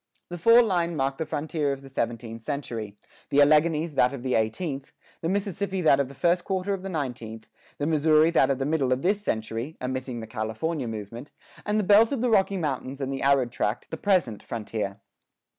The fall line marked the frontier of the seventeenth century; the Alleghanies that of the eighteenth; the Mississippi that of the first quarter of the nineteenth; the Missouri that of the middle of this century (omitting the California movement); and the belt of the Rocky Mountains and the arid tract, the present frontier.